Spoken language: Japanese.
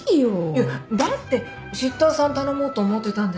いやだってシッターさん頼もうと思ってたんだし。